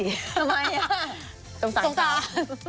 ทำไมอ่ะสงสาร